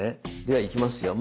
ではいきますよ。